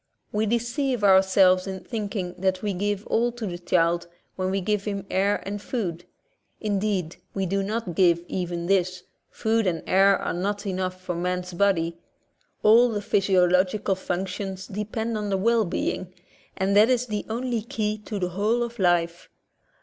We deceive ourselves in thinking that we give all to the child when we give him air and. food. Indeed, we do not give even this ; food and air are not enough for man's body; all the physiological functions depend on the well being, and that is the only key to the whole of life.